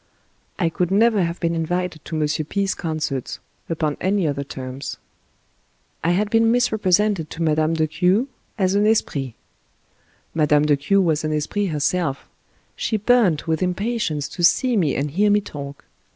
I could never have been invited to M. P *s concerts upon any other terms, I had been misrepresented to Mme. de Q as an esprit — Mme. de Q was an esprit herself; she burned with impatience to see me and hear me talk.